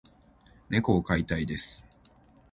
猫を飼いたいです。